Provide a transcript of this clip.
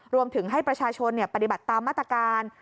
รวมถึงให้ประชาชนปฏิบัติตามมาตรการ